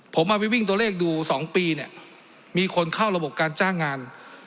ผมเอาไปวิ่งตัวเลขดู๒ปีเนี่ยมีคนเข้าระบบการจ้างงาน